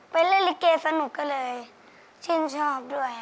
เป็นเล่นลิเกสนุกกันเลยชินชอบด้วย